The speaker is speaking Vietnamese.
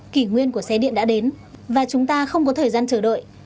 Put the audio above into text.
kỷ nguyên của xe điện đã đến và chúng ta không có thời gian chờ đợi